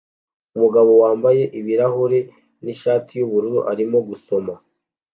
Umugabo wambaye ibirahure nishati yubururu arimo gusoma